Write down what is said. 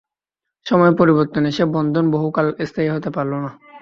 সময়ের পরিবর্তনে সে বন্ধন বহুকাল স্থায়ী হতে পারল না।